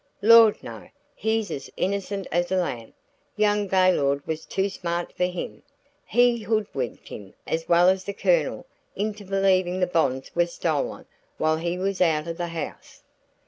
"Lord no! He's as innocent as a lamb. Young Gaylord was too smart for him; he hoodwinked him as well as the Colonel into believing the bonds were stolen while he was out of the house."